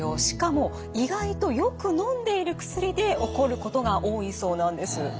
しかも意外とよくのんでいる薬で起こることが多いそうなんです。